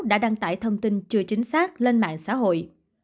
đã đăng tải thông tin chưa chính xác lên mạng xã hội